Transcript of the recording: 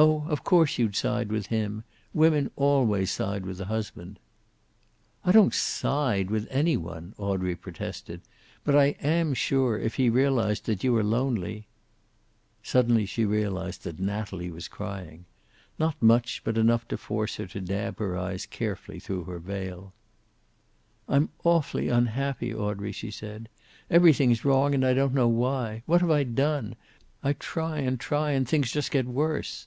"Oh, of course you'd side with him. Women always side with the husband." "I don't 'side' with any one," Audrey protested. "But I am sure, if he realized that you are lonely " Suddenly she realized that Natalie was crying. Not much, but enough to force her, to dab her eyes carefully through her veil. "I'm awfully unhappy, Audrey," she said. "Everything's wrong, and I don't know why. What have I done? I try and try and things just get worse."